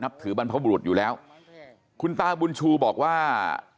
ถือบรรพบุรุษอยู่แล้วคุณตาบุญชูบอกว่า